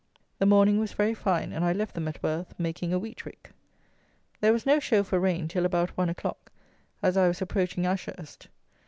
The morning was very fine, and I left them at Worth, making a wheat rick. There was no show for rain till about one o'clock, as I was approaching Ashurst.